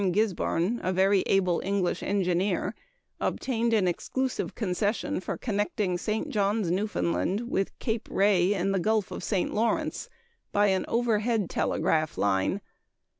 Gisborne, a very able English engineer, obtained an exclusive concession for connecting St. Johns, Newfoundland, with Cape Ray, in the Gulf of St. Lawrence, by an overhead telegraph line.